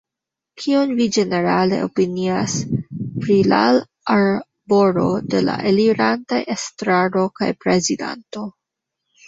Kion vi ĝenerale opinias pri lal aboro de la elirantaj estraro kaj prezidanto?